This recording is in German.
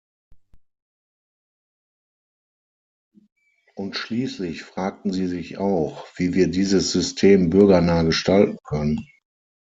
Und schließlich fragten Sie sich auch, wie wir dieses System bürgernah gestalten können.